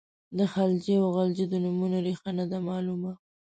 د خلجي او غلجي د نومونو ریښه نه ده معلومه.